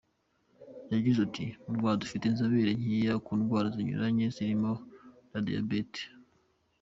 Yagize ati” Mu Rwanda dufite inzobere nkeya ku ndwara zinyuranye zirimo na diyabete.